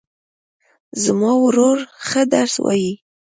زما ورور ښه درس وایي